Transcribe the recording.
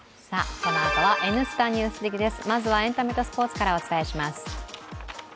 このあとは「Ｎスタ・ＮＥＷＳＤＩＧ」です。